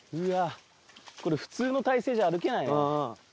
これ普通の体勢じゃ歩けないね。